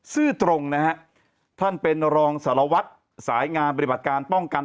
ซื่อตรงนะฮะท่านเป็นรองสารวัตรสายงานปฏิบัติการป้องกัน